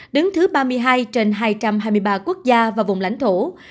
đứng thứ ba mươi hai trong ngày qua việt nam có một ba trăm chín mươi tám bốn trăm một mươi ba ca nhiễm